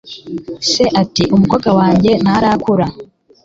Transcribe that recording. se ati 'umukobwa wanjye ntarakura